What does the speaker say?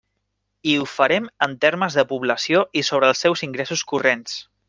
I ho farem en termes de població i sobre els seus ingressos corrents.